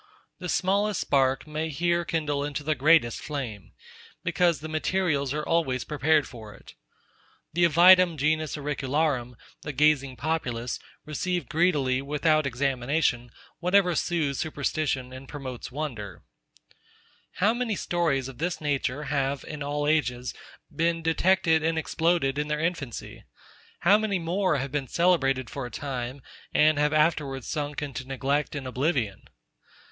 The smallest spark may here kindle into the greatest flame; because the materials are always prepared for it. The avidum genus auricularum, the gazing populace, receive greedily, without examination, whatever sooths superstition, and promotes wonder. Lucret. How many stories of this nature have, in all ages, been detected and exploded in their infancy? How many more have been celebrated for a time, and have afterwards sunk into neglect and oblivion?